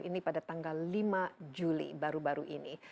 ini pada tanggal lima juli baru baru ini